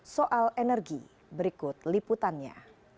soal perkembangan kekejaman dan kekejaman dalam kekejaman manusia